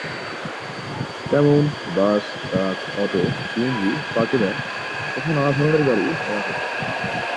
তেমন: bus, truck, auto, CNG, পাখি-ভ্যান সহ নানা ধরনের গাড়ি চলাচল করে।